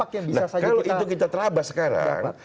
kalau itu kita terabas sekarang